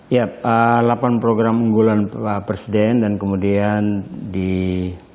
ya delapan program unggulan pak presiden dan kemudian di